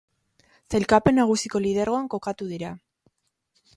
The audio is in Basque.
Sailkapen nagusiko lidergoan kokatu dira.